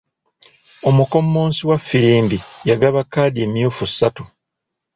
Omukommonsi was ffirimbi yagaba kkaadi emyufu ssatu.